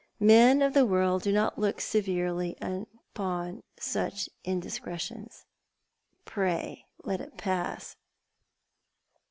Men of the world do not look severely upon such indiscretions. Pray lot it pass."